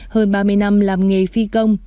hơn ba mươi năm làm nghề phi công